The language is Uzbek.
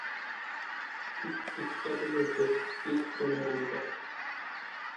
• It itga buyurdi, it — quyrug‘iga.